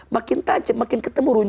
makin tajam makin ketemu